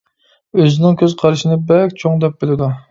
ئۆزىنىڭ كۆز قارىشىنى بەك چوڭ دەپ بىلىدۇ.